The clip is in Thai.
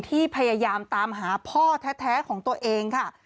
พยายามตามหาพ่อแท้ของตัวเองค่ะ